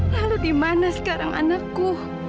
lalu di mana sekarang anakku